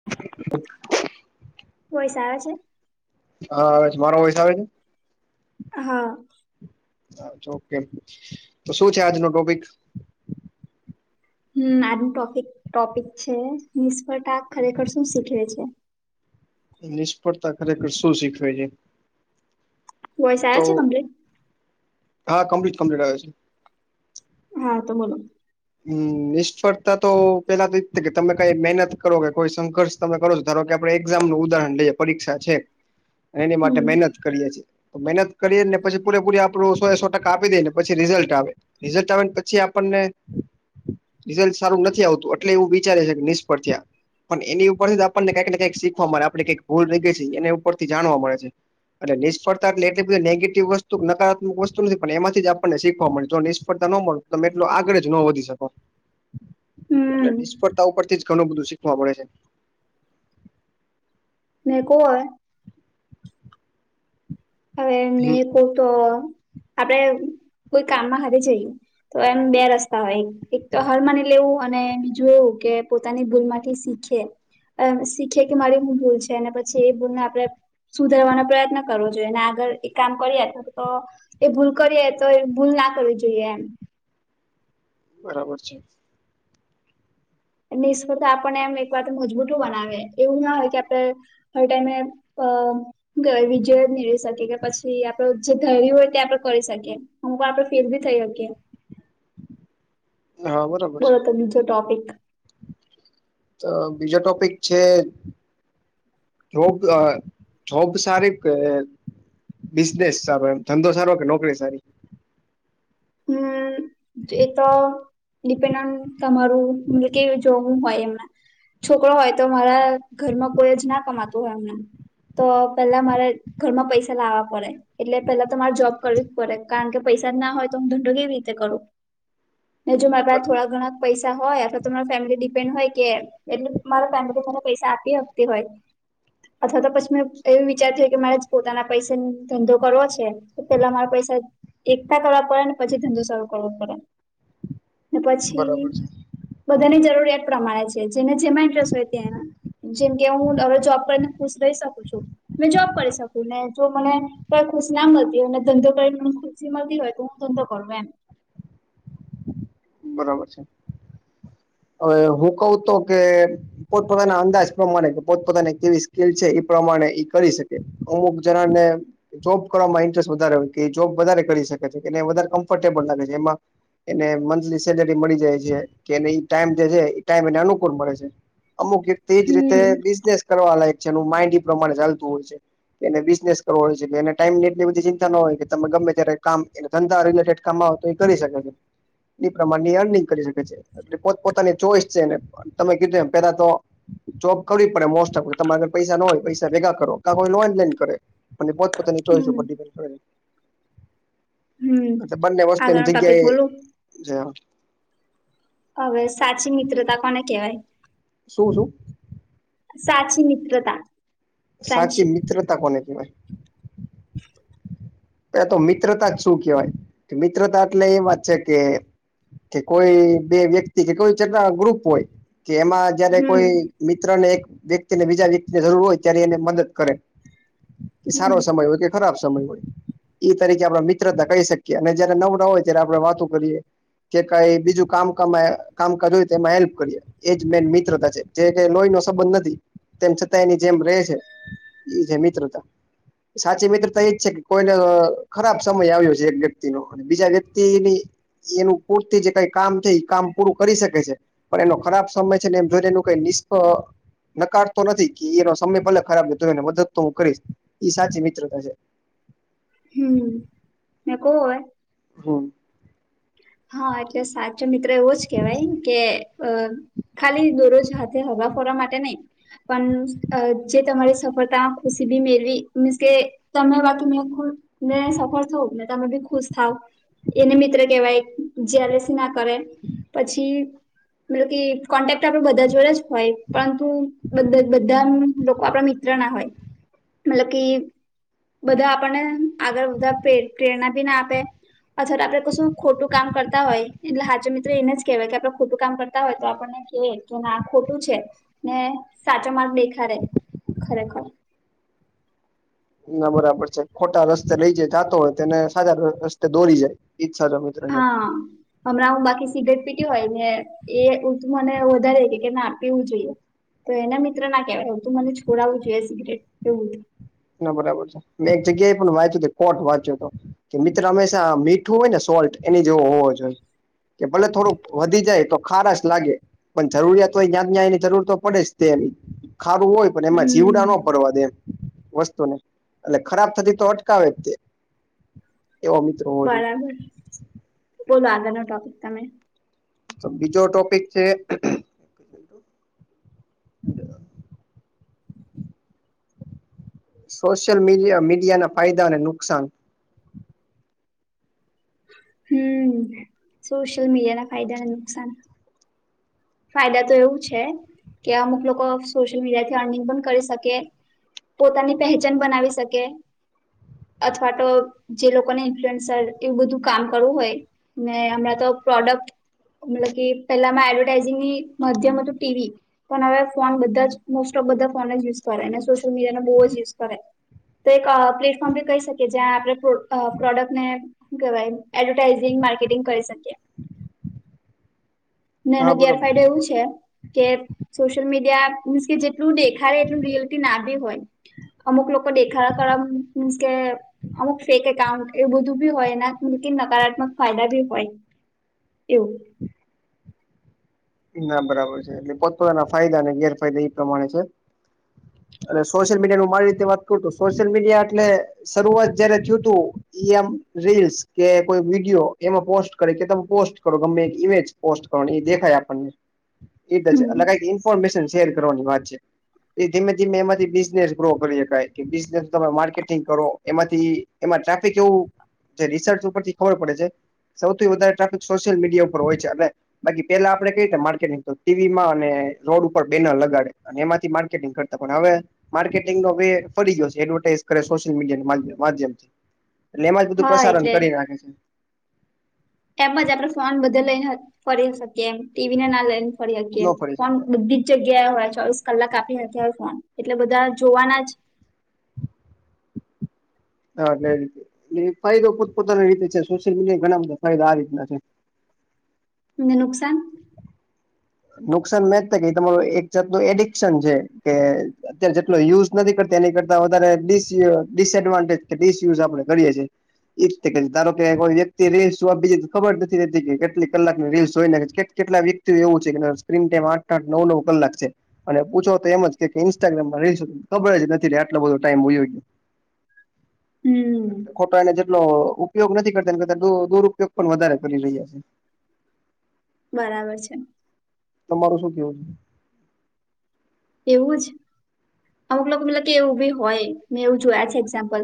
[inaudible] Voice આવે છે? હા આવે છે. મારો વોઈસ આવે છે? હા. હા ઓકે. તો શું છે આજનો ટોપિક? હમ્મ. આજનો ટોપિક-ટોપિક છે નિષ્ફળતા ખરેખર શું શીખવે છે? નિષ્ફળતા ખરેખર શું શીખવે છે? વોઈસ તો આવે છે કમ્પલીટ? હા કમ્પલીટ-કમ્પલીટ આવે છે. હા તો બોલો. હમ્મ. નિષ્ફળતા તો પેલા તો ઈ જ કે તમે કાંઈ મહેનત કરો કે કોઈ સંઘર્ષ તમે કરો છો ધારો કે આપડે એક્ઝામ નું ઉદાહરણ લઈએે, પરીક્ષા છે. અને એની માટે હમ મહેનત કરીએ છીએ. તો મહેનત કરીએ ને પછી પૂરેપૂરી આપણું સો એ સો ટકા આપી દઈ ને પછી રીઝલ્ટ આવે, રિઝલ્ટ આવે ને પછી આપણને રિઝલ્ટ સારું નથી આવતું એટલે એવું વિચારે છે કે નિષ્ફળ થયા. પણ એની ઉપરથી આપણને કંઈક ને કંઈક શીખવા મળે આપણે કંઈક ભૂલ ર ઈ ગય છે એના ઉપર થી જાણવા મળે છે. અને નિષ્ફળતા એટલે એટલી બધી નેગેટિવ વસ્તુ નકારાત્મક વસ્તુ નથી પણ એમાંથી જ આપણને શીખવા મળે તો જો નિષ્ફળતા ન મળે. તમે એટલો આગળ જ. નો વધી શકો, એટલે હમ નિષ્ફળતા ઉપરથી જ ઘણું બધું શીખવા મળે છે. મે કો અવે? હવે હમ મેરે કો તો આપડે કોઈ કામમાં હારે જઈ. તો એમ બે રસ્તા હોય એક તો હારમાની લેવું, અને બીજું એવું કે પોતાની ભૂલમાંથી સી છે. એમ શીખે કે મારી હુ ભૂલ છે અને પછી એ ભૂલને આપણે સુધારવાનો પ્રયત્ન કરવો. જે ન આગળ એ કામ કરીએ તો એ ભૂલ કરીએ તો, એ ભૂલ ના કરવી જોઈએ એમ. બરાબર છે. નિષ્ફળતા આપણને એમ એક વાર તો મજબૂત બનાવે એવું ના હોય કે આપડે હર ટાઈમે હ અ વિજય જ મેળવી શકે કે પછી આપડે જે ધાર્યું હોય તે આપડે કરી શકીએ. હમ કો આપડે ફીલ બી થાય અગ. હા બરાબર. બો છે તો બીજો ટોપિક તો બીજો ટોપિક છે. જોબ અ જોબ સારી કે? બિઝનેસ સારો એમ ધંધો સારો કે નોકરી સારી? હમ [inaudible] એ તો ડિપેન્ડ ઓ તમારું મતલબ કે જોવું હોય એમને. છોકરો હોય તો મારા ઘરમાં કોઈ જ ના કમાતું હોય એમને, તો પેલા મારે ઘરમાં પૈસા લાવવા પડે એટલે પેલા તમારે જોબ કરવી જ પડે કારણ કે પૈસા જ ના હોય. ધંધો કેવી રીતે કરવો, ને જો મારા પાસે થોડા ઘણા પૈસા હોય અથવા તો મારે ફેમિલી ડિપેન્ડ હોઈ કે એટલે મારા ફેમિલી મને પૈસા આપી શકતી હોય. અથવા તો પછી મેં એવુ વિચાર તી હોય કે મારે પોતાના પૈસા થી ધંધો કરવો છે. તો પેલા અમારે પૈસા એકઠા કરવા પડે ને પછી ધંધો સારો કરવો પડે. ને પછી, બરાબર છે હમ બધાની જરૂરિયાત પ્રમાણે છે જેને જેમાં ઇન્ટરેસ્ટ હોય ત્યાં. જેમ કે હું હવે જોબ કરીને ખુશ રહી શકું છું. મેં જોબ કરી શકું ને જો મને કઈ ખુશી ના મળતી હોય ને ધંધો કરીને મને ખુશી મળતી હોય તો. ધંધો કરુ એમ. બરાબર છે, હવે હું કવું તો કે પોતપોતાના અંદાજ પ્રમાણે કે પોતપતાની કેવી સ્કીલ છે એ પ્રમાણે કરી શકે, અમુક જણાને જોબ કરવામાં ઇન્ટરેસ્ટ વધારે હોય કે જોબ વધારે કરી શકે છે કે વધારે કમ્ફર્ટેબલ લાગે છે એમાં. એને મ સેલેરી મળી જાય છે કે એને એ ટાઈમ દે છે એ ટાઈમ એને અનુકૂળ મળે છે, અમુક તેજ રીતે હમ બિઝનેસ કરવા લાયક છે એનું માઇન્ડ એ પ્રમાણે ચાલતું હોય છ. એને બિઝનેસ કરવો હોય છે એને ટાઈમ ની એટલી બધી ચિંતા ના હોય કે તમે ગમે ત્યારે કામ એને ધંધા રિલેટેડ કામ આવ તો હોય એ કરી શકે છે. ઈ પ્રમાણની અર્નિંગ કરી શકે છે, એ પોત પોતાની ચોઈસ છે ને તમે કીધું એમ પેલા તો જોબ કરવી પડે મોસ્ટ ઓફ તમારે પૈસા ના હોય પૈસા ભેગા કરો કા લોન લ ઈ ને કરે. ને પોત પોતાની ચોઈસ હમ ઉપર થી કરે. હમ અટલે બંને વસ્તુની આગળનો એની ટોપિક જગ્યા બોલું એ છે હવે સાચી મિત્રતા કોને કવાય શું શુ સાચી મિત્રતા સાચી ફ્રેન્ડશીપ મિત્રતા કોને કેવાય એ તો મિત્રતા જ શું કેહેવાય મિત્રતા એટલે એ વાત છે કે કે કોઈ બે વ્યક્તિ કે કોઈ ચા ગ્રુપ હોય કે એમાં જયારે હમ કોઈ મિત્ર ને એક વ્યક્તિને બીજા વ્યક્તિની જરૂર હોય ત્યારે એને મદદ કરે. કે સારો હમ સમય હોય કે ખરાબ સમય હોય. એ તરીકે આપડ મિત્રતા કહી શકીએ અને જયારે નવું નવું હોય ત્યારે એકબીજા સાથે વાતો કરીએ કે કઈ બીજું કામ કામકાજ હોય તો એમાં હેલ્પ કરીએ એજ મેન મિત્રતા છે જે કે લોહી નો સંબંધ નથી તેમ છતાં એની જેમ ર છે. એ છે મિત્રતા સાચી મિત્ર તો એજ છે કે કોઈ અ ખરાબ સમય આવ્યો છે એક વ્યક્તિ નો અને બીજા વ્યક્તિની એનું પૂરતી જે કઈ કામ છે એ કામ પૂરું કરી શકે છે પણ એનો ખરાબ સમય છે ને જો એનું કઈ નિષ્ક નકારતો નથી કી ઈ એનો સમય પહેલે ખરાબ હોય એને મદદ તો હું કરીશ એ સાચી મિત્રતા છે. હમ્મ મે કોવો હોય. હમ્મ હા એટલે સાચો મિત્રો એવો જ કેહેવાય કે અ ખાલી દોરોજ હાથે હવા ફરવા માટે નઈ. પણ અ જે તમારી સફળતા મા ખુશી બી મેળવી મીન્સ કે. તમે વાતો નુ ખુલ ને સફળ થવું ને તમે બી ખુશ થાવ એને મિત્ર કેવાય જ્યારેસી ના. કરે પછી મ કે કોન્ટેક્ટ આપડ બધા જોડે જ હોય પરંતુ બધા લોકો આપણા મિત્ર ના હોય મતલબ કે બધા આપણને આગળ બધા પ્રેરણા ભી ના આપે અથવા તો આપે કશું. ખોટું કામ કરતા હોય એટલે હાચો મિત્રો એને જ કેહેવાય કે આપડે ખોટું કામ કરતા હોય તો આપણને કે. ના ખોટું છે ને સાચો માર્ગ દેખારે ખરેખર. ના બરાબર છે ખોટા રસ્તે લઈ જ જાતો હોય તેને સારા રસ્તે દોરી જાય ઈજ સાચો મિત્ર છે હા હમણાં હું બાકી સિગરેટ પીટી હોય ને એ મને વધારે કે કે ના પીવું જોઈએ તો એના મિત્ર ના કહેવાય તું મને છોડાવું જોઈએ સિગરેટ પીવું. ના બરાબર છે મેં એક જગ્યા એ પણ વાંચ્યું કોટ વાંચ્યો તો કે મિત્ર હંમેશા મીઠું હોય ને સોલ્ટ એની જેવો હોવો જોઈએ કે ભલે થોડુંક વધી જાય તો ખારાસ લાગે. પણ જરૂરિયાતો હોય જ્યા ન્યાય એની જરૂર તો પડે જ તે ખારું હોય પણ એમાં હમ જીવડા નો પડવા દે એમ વસ્તુ ને એને ખરાબ થતી તો અટકાવે જ તે એવો મિ બરાબર બોલો આગળ નો ટોપિક તમે તો બીજો ટોપિક છે. સોશિયલ મીડ મીડિયા ના ફાયદા અને નુકસાન. હમ્મ સોશિયલ મીડિયા ના ફાયદાને નુકસાન ફાયદા તો એવું છે કે અમુક લોકો સોશિયલ મીડિયાથી અર્નિંગ પણ કરી શકે. પોતાની પહેચાન બનાવી શકે. અથવા તો જે લોકોને ઇન્ફ્લુઅન્સર એવું બધું કામ કરવું હોય. ને હમણાં તો પ્રોડક્ટ મતલબ કે પેલામાં એડ ઝિંગની મધ્યમ હતું ટીવી. પણ હવે ફોન બધા જ મોસ્ટ ઓફ બધા ફોન જ યુઝ કરે ને સોશિયલ મીડિયા ને બહુ જ યુઝ કરે. તો એક પ્લેટફોર્મ બી કહી શકીએ જ્યાં આપણે પ્રોડક્ટને કે ભાઈ એડવર્ટાાઈઝિંગ માર્કેટિંગ કરી શકીએ. ને એનો હા ગેરફાયદો બરોબર એવું છે. કે સોશિયલ મીડિયા મીન્સ કે જેટલું દેખારે એટલું રીયલિટી ના ભી હોય. અમુક લોકો દેખા કર મીન્સ કે અમુક ફેક એકાઉન્ટ એ બધું બી હોય ના મલકી નકારાત્મક ફાયદા બી હોય. એવું. ના બરાબર છે એટલે પોપતાના ફાયદા અને ગેરફાયદા એ પ્રમાણે છે. અને સોશિયલ મીડિયા નું મારી રીતે વાત કરું તો સોશિયલ મીડિયા એટલે શરૂઆત જયારે થયું તું. ઈ એમ રીલ્સ કે કોઈ વિડીયો એમાં પોસ્ટ કરે કે તમે પોસ્ટ કરો ગમે એક ઇમેજ. પોસ્ટ કરવા એ દેખાય, આપણને હમ એ એ ઇન્ફોર્મેશન શેર કરવાની વાત છે. એ ધીમે ધીમે એમાંથી બિઝનેસ ગ્રો કરી શકાય કે બિઝનેસ તમે માર્કેટિંગ કરો. એમાંથી એમાં ટ્રાફિક એવું જે રિસર્ચ ઉપરથી ખબર પડે છે. સૌથી વધારે ટ્રાફિક સોશિયલ મીડિયા ઉપર હોય છે, અને બાકી પેલા આપણે કઈ રીતે માર્કેટંગ તો ટીવીમાં અને રોડ ઉપર બેનર લગાડે એમાંથી માર્કેટિંગ કરતા પણ હવે. માર્કેટિંગ નો વ ફરી ગયો છે એડવર્ટાઈઝ કરે સોશિયલ મીડિયા માધ્યમથી. એટલે એમાં જ બધું હા પ્રસારણ એટલે કરી નાખે છે. એમ જ આપણે ફોન બધે લઈને ફરી શકીએ એમ ટીવીને ના લઈને ફરી શકીએ, ન ફરી ફોન શકે બધી જગ્યાએ હોય ચોવીસ કલાક આપી હોય, ફોન એટલે બધા જોવાના જ હા એટલેી એ ફાયદો પોતપોતાની રીતે છે સોશિયલ મીડિયા ઘણા બધા ફાયદા આ રીતના છે. નુકસાન? નુકસાન મે જતા કે તમારું એક જાતનું એડિકશન છે, કે અત્યારે જેટલો યુઝ નથી કરતો એની કરતા વધ ડિસએડવાન્ટેજ ડિસયુઝ આપડણે કરીએ છીએ. જ ધારો કે કોઈ વ્યક્તિ રીલ્સ જોવા બી ખબર નથી રહેતી કેટલી કલાક ની રીલ્સ જોઈ. કેટલા વ્યક્તિઓ એવું છે કે સ્ક્રીન ટાઈમ આઠ આઠ નવ નવ કલાક છે. અને પૂછો તો એમ જ કે ઇન્સ્ટાગ્રામમાં રીલ ખબર જ નથી આટલો બધો ટાઈમ હોયો. હમ. ખોટો એને જેટલો ઉપયોગ નથી કરતા કરતા દુરુયોગ પણ વધારે કરી રહ્યા છે. બરાબર છે. તમારું શું કેવું છે? એવું જ અમુક લોકો મતલબ કે એવું બી હોય મેં એવું જોયા છે એક્ઝામ્પલ.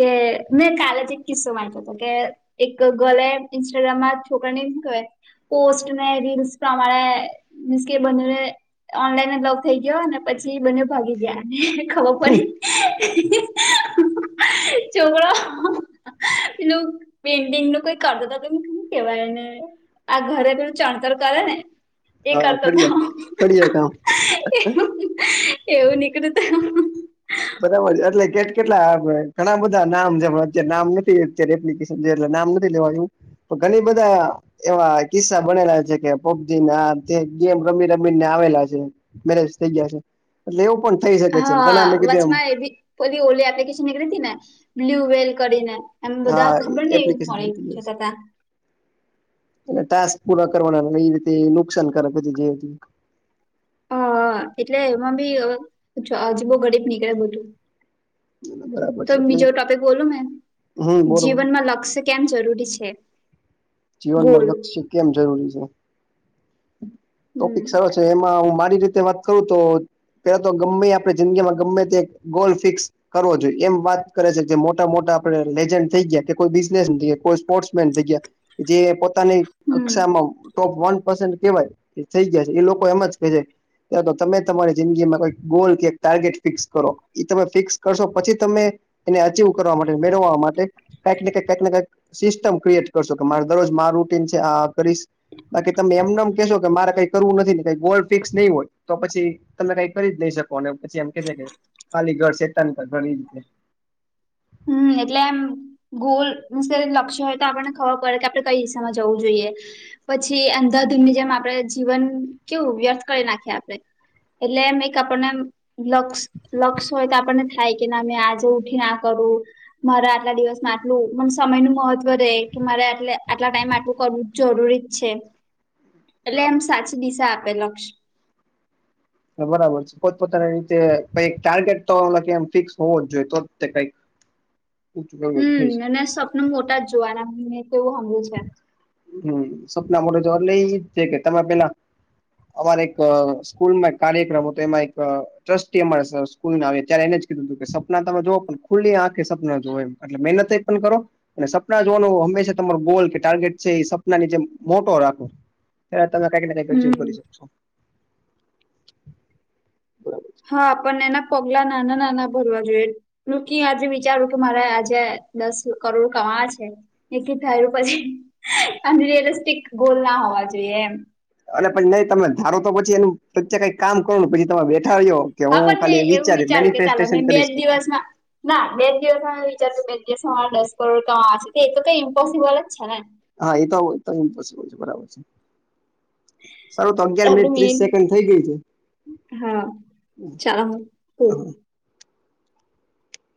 કે મેં કાલે જ એક કિસ્સો વાંચ્યો હતો કે એક ગર્લે ઇન્સ્ટાગ્રામમાં છોકરાને કહે. પોસ્ટને રીલ્સ પ્રમાણે મીન્સ કે બંનેને ઓનલાઈન મતલબ થઈ ગયો અને પછી બને ભાગી ગયા ખબર પડી. ચોગરો. એલું પેઇન્ટિંગ નું કઈ કરતો ત ત કેમ કેવાયને. આ ઘરે બેધું ચણતર કરે ને એ હા કરતો હતો કડીએ હું. કડીએ કામ એવું નીકળું ત. બરાબર છે એટલે કેટ કેટલા ઘણા બધા નામ છે અત નામ નથી અત્યારે એપ્ક એટ નામ નથી લેવા, આવું પણ ઘણી બધા એવા કિસ્સા બનેલા છે કે પબજી ના જે ગેમ રમી-રમીને આવેલા છે મેરેજ થઇ ગયા છે. એટલે એવું પણ થઈ છે શકે ઘણા હા. મેં કીધું વચમાં એમ એ ભી પેલી ઓલી એપ્લિકેશન નીકળી તી ને, બ્લુ વહેલ કરીને. એમ બધા હા ખબર નહીં એપ્લિકેશન મરી જતા તા. એટલે ટાસ્ક પૂરા કરવાના હતા, ઈ રીતે ઈ નુકસાનકારક હતી જે હતી ઈ. હા. એટલે એમાં બી જ અજીબો ગરીબ નીકળે બધું. જે બરાબર તો છે એટલે બીજો ટોપિક બોલું ને? હમ બોલો બોલો જીવનમાં લક્ષ્ય કેમ જરૂરી છે? જીવનમાં ગોલ લક્ષ્ય કેમ જરૂરી છે? ટોપિક હમ સારો છે. એમાં હું મારી રીતે વાત કરું તો પેલા તો ગમેઈ આપણે જિંદગીમાં ગમે તે ગોલ ફિક્સ કરવો જોઈએ. એમ વાત કરે છે જે મોટા-મોટા આપણે લેજન્ડ થઈ ગયા, કે કોઈ બિઝનેસ [unintelligible] કોઈ સ્પોર્ટસમેન થઈ ગયા કે જે પોતાની હમ કક્ષામાં ટોપ વન પર્સન્ટ કહેવાય એ થઈ ગયા છે. ઈ લોકો એમ જ કહે છે ત્યાં તો તમેઈ તમારી જિંદગીમાં કોઈક ગોલ એક ટાર્ગેટ ફિક્સ કરો. ઈ તમે ફિક્સ કરશો પછી તમે એને અચીવ કરવા માટે, મેળવવા માટે કાંઈક ને કાંઈક, કાંઈકને કાંઈક સિસ્ટમ ક્રિએટ કરશો કે મારે દરરોજ માર રૂટિન છે. આ-આ કરીશ બાકી તમે એમનેમ કહેશો કે મારે કાંઈ કરવું નથી ને કંઈ ગોલ ફિક્સ નહીં હોય તો પછી તમે કાંઈ કરી જ નઈ શકવાના. અને પછી એમ કહેશે કે ખાલી ઘર શેતાન કા ઘર ઈ રીતે. હમ્મ એટલે એમ ગોલ વિશે એક લક્ષ્ય હોય તો આપણને ખબર પડે કે આપણે કંઈ દિશામાં જવું જોઈએ. પછી અંધાધુનની જેમ આપણે જીવન કેવું વ્યર્થ કરી નાખીએ આપણે. એટલે એમ એક આપણને આમ લક્ષ, લક્ષ હોય તો આપણને થાય કે ના મે આજે ઉઠીને આ કરું. મારે આટલા દિવસમાં આટલું, મન સમયનું મહત્વ રેય, કે મારે આટલે આટલા ટાઈમમાં આટલું કરવું જરૂરી જ છે. એટલે એમ સાચી દિશા આપે લક્ષ. હા બરાબર છે. પોતપોતાની રીતે કંઈક ટાર્ગેટ તો ઓલા કે એમ ફિક્સ હોવો જ જોઈએ, તો જ તે કંઈક [inaudible] હમ્મ. અને સપનું મોટા જ જોવાના, મે તો એવું હાંભળ્યુ છે. હમ્મ. સપના મોટા જોવા. એટલે ઈજ તે કે તમે પેલા અમારે એક સ્કૂલમાં એક કાર્યક્રમ હતો, એમાં એક ટ્રસ્ટી અમારે સર સ્કૂલના આવે, ત્યારે એને જ કીધું હતું કે સપના તમે જોઓ પણ ખુલ્લી આંખે સપના જોવો એમ. એટલે મહેનતે પણ કરો, અને સપના જોવાનું હંમેશા તમારું ગોલ કે ટાર્ગેટ છે, ઈ સપનાની જેમ મોટો રાખો. ત્યારે તમે કંઈકને કંઈક અચીવ હમ કરી શકશો. બરાબર છે. હા. પન એના પગલાં નાનાં-નાનાં ભરવા જોઈએ. [unintelligible] આજે વિચારું કે મારે આજે દસ કરોડ કમાવવા છે એક ‌ઈ ધાયરુ પછી, આમ રિયેલેસ્ટિક ગોલ ના હોવા જોઈએ એમ. અને પછી નહીં તમે ધારો તો પછી એનું પ્રત્યે કાંઈક કામ કરવું, પછી તમે બેઠા રહ્યો કે હા હું પણ મેં ખાલી એવું વિચારીશ, વિચાર્યું કે ચાલો મેનિફેસ્ટેશન મેં બે જ કરીશ કે દિવસમાં ના બે જ દિવસમાં મે વિચારતી તી કે બે જ દિવસમાં મારે દસ કરોડ કમાવવા છે. તો ઈ તો કંઈ ઈમ્પોસિબલ જ છે ને? હા ઈ તો [unintelligible] ઈમ્પોસિબલ છે. બરાબર છે. સારૂં. તો અગિયાર મિનિટ ત્રીસ સેકન્ડ થ‌ઇ ગઈ છે. હા. ચાલો [unintelligible]